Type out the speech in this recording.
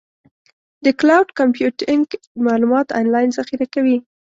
د کلاؤډ کمپیوټینګ معلومات آنلاین ذخیره کوي.